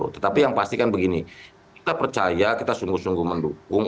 tetapi yang pasti kan begini kita percaya kita sungguh sungguh mendukung